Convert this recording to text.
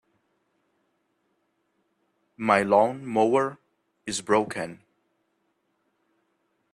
My lawn-mower is broken.